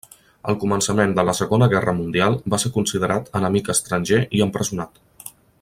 Al començament de la Segona Guerra Mundial va ser considerat enemic estranger i empresonat.